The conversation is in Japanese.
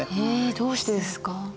どうしてですか？